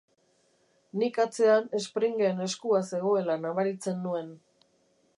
Nik atzean Springen eskua zegoela nabaritzen nuen.